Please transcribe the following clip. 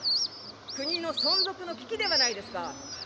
国の存続の危機ではないですか。